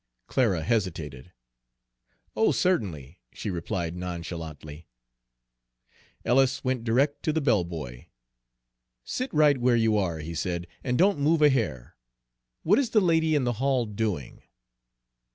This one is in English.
Clara hesitated. "Oh, certainly," she replied nonchalantly. Ellis went direct to the bell boy. "Sit right where you are," he said, "and don't move a hair. What is the lady in the hall doing?"